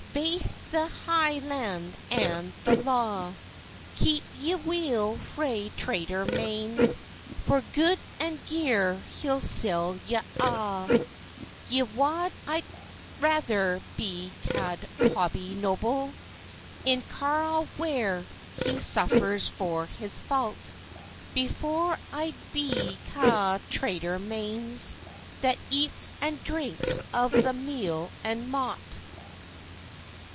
Baith the hie land and the law; Keep ye weel frae traitor Mains! For goud and gear he'll sell ye a'. "Yet wad I rather be ca'd Hobie Noble, In Carlisle where he suffers for his faut, Before I'd be ca'd traitor Mains, That eats and drinks of the meal and maut."